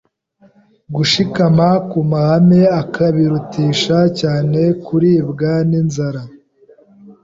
gushikama ku mahame akabirutisha cyane kuribwa n’inzara.